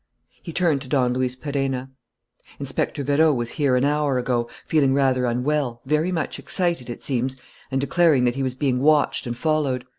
He turned to Don Luis Perenna. "Inspector Vérot was here an hour ago, feeling rather unwell, very much excited, it seems, and declaring that he was being watched and followed.